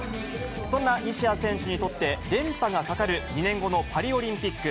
そんな西矢選手にとって、連覇がかかる２年後のパリオリンピック。